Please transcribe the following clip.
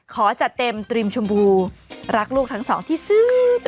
ขอจัดเต็มตรีมชมพูรักลูกทั้งสองที่ซื้อ